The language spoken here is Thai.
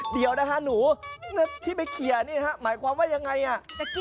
เดี๋ยวนะคะหนูที่ไปเคลียร์นี่ฮะหมายความว่ายังไงอ่ะ